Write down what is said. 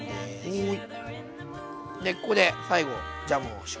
はい。